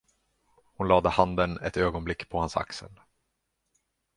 Hon lade handen ett ögonblick på hans axel.